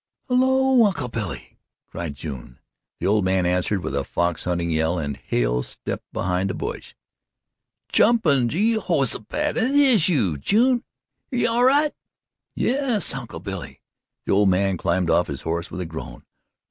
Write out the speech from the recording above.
"Hello, Uncle Billy" cried June. The old man answered with a fox hunting yell and Hale stepped behind a bush. "Jumping Jehosophat is that you, June? Air ye all right?" "Yes, Uncle Billy." The old man climbed off his horse with a groan.